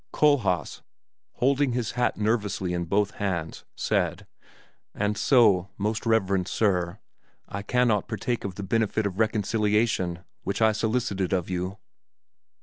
Kohlhaas, holding his hat nervously in both hands, said, "And so, most reverend Sir, I cannot partake of the benefit of reconciliation, which I solicited of you?"